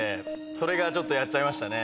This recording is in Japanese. それがちょっとやっちゃいましたね。